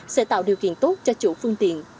sẽ tạo điều kiện tốt cho chủ phương tiện